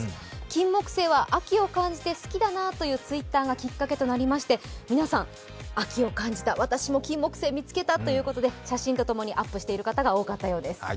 金木犀は秋を感じて好きだなというＴｗｉｔｔｅｒがきっかけとなりまして皆さん、秋を感じた、私も金木犀を見つけたということで、写真とともにアップしている方が多かったようです。